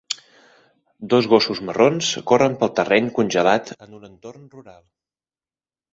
Dos gossos marrons corren pel terreny congelat en un entorn rural.